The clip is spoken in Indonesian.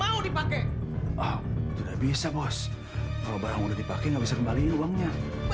kalau berapa lagi pakai bisa kembalin uangnya